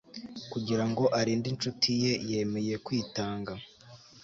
kugirango arinde inshuti ye, yemeye kwitanga